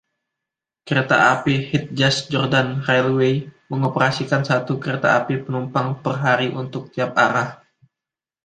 Kereta Api Hedjaz Jordan Railway mengoperasikan satu kereta api penumpang per hari untuk tiap arah.